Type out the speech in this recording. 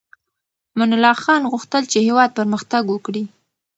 امان الله خان غوښتل چې هېواد پرمختګ وکړي.